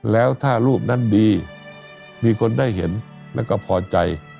แล้วถ้ารูปนั้นดีมีคนได้เห็นแล้วก็พอใจ